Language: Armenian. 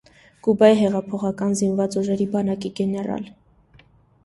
Կուբայի հեղափոխական զինված ուժերի բանակի գեներալ։